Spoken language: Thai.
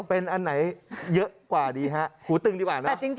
เป็นอันไหนเยอะกว่าดีฮะหูตึงดีกว่านะ